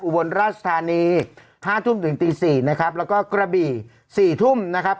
บนราชธานีห้าทุ่มถึงตี๔นะครับแล้วก็กระบี่๔ทุ่มนะครับ